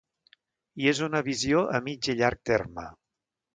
I és una visió a mig i llarg terme.